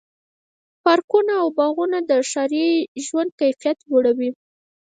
پارکونه او باغونه د ښاري ژوند کیفیت لوړوي.